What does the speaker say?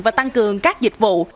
và tăng cường các dịch vụ